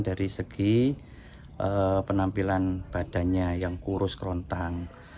dari segi penampilan badannya yang kurus kerontang